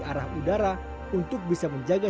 arah udara untuk bisa menjaga